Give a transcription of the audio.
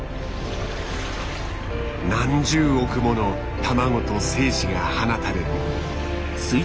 何十億もの卵と精子が放たれる。